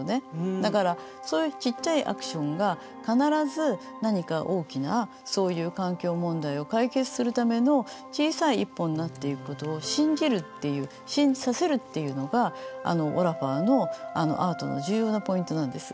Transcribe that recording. だからそういうちっちゃいアクションが必ず何か大きなそういう環境問題を解決するための小さい一歩になっていくことを「信じる」っていう「信じさせる」っていうのがオラファーのあのアートの重要なポイントなんです。